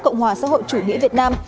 cộng hòa xã hội chủ nghĩa việt nam